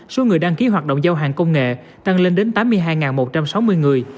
số người đăng ký hoạt động giao hàng công nghệ tăng lên đến tám mươi hai một trăm sáu mươi người